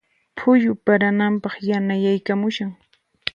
Phuyu parananpaq yanayaykamushan.